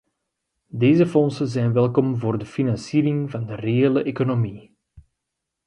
Deze fondsen zijn welkom voor de financiering van de reële economie.